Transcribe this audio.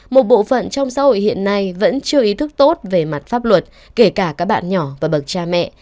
một bộ phận trong xã hội hiện nay vẫn chưa ý thức tốt về mặt pháp luật kể cả các bạn nhỏ và bậc cha mẹ